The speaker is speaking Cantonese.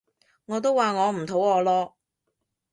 我都話我唔肚餓咯